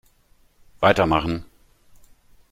Weitermachen!